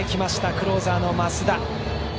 クローザーの増田。